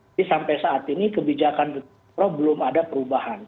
tapi sampai saat ini kebijakan pro belum ada perubahan